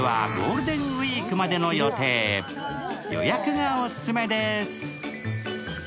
予約がオススメです。